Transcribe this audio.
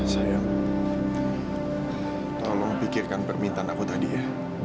saya tolong pikirkan permintaan aku tadi ya